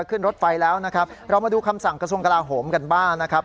ขึ้นรถไฟแล้วนะครับเรามาดูคำสั่งกระทรวงกลาโหมกันบ้างนะครับ